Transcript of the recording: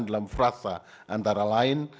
dalam frasa antara lain